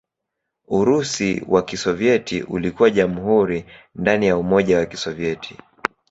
Urusi wa Kisovyeti ulikuwa jamhuri ndani ya Umoja wa Kisovyeti.